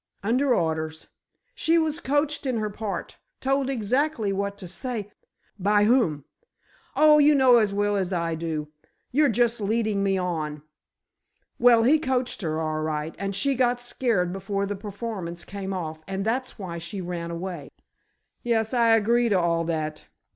"Under orders. She was coached in her part. Told exactly what to say——" "By whom?" "Oh, you know as well as I do. You're just leading me on! Well, he coached her, all right, and she got scared before the performance came off and that's why she ran away." "Yes, I agree to all that.